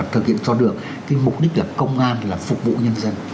tôi cho được cái mục đích là công an là phục vụ nhân dân